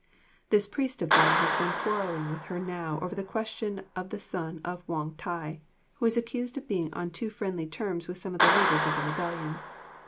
This priest of thine has been quarrelling with her now over the question of the son of Wong Tai, who is accused of being on too friendly terms with some of the leaders of the rebellion.